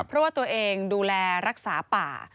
เพราะว่าตัวเองดูแลรักษาป่า